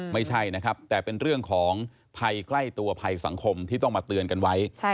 ไม่ใช่นะครับแต่เป็นเรื่องของภัยใกล้ตัวภัยสังคมที่ต้องมาเตือนกันไว้